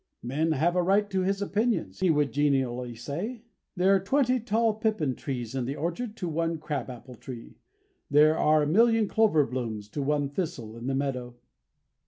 "Men have a right to their opinions," he would genially say. "There are twenty tall pippin trees in the orchard to one crab apple tree. There are a million clover blooms to one thistle in the meadow."